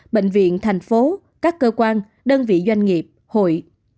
bệnh viện thành phố các cơ quan đơn vị doanh nghiệp hội